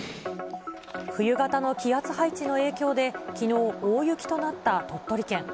冬型の気圧配置の影響で、きのう、大雪となった鳥取県。